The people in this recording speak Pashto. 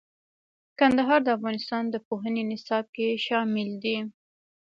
کندهار د افغانستان د پوهنې نصاب کې شامل دي.